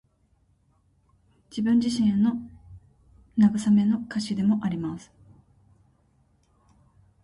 自分自身への慰めの歌詞でもあります。